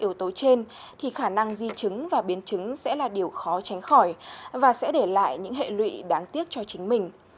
thiếu một trong các yếu tố trên thì khả năng di chứng và biến chứng sẽ là điều khó tránh khỏi và sẽ để lại những hệ lụy đáng tiếc cho chính mình